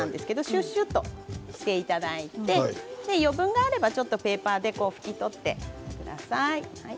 シュシュっとしていただいて余分があればペーパーで拭き取ってください。